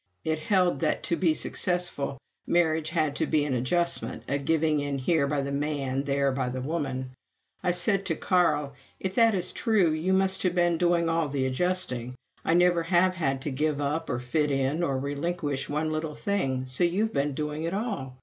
It held that, to be successful, marriage had to be an adjustment a giving in here by the man, there by the woman. I said to Carl: "If that is true, you must have been doing all the adjusting; I never have had to give up, or fit in, or relinquish one little thing, so you've been doing it all."